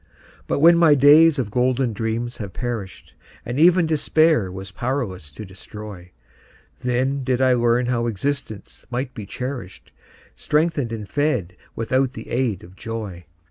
But when my days of golden dreams had perished, And even Despair was powerless to destroy, Then did I learn how existence might be cherished, Strengthened and fed without the aid of joy.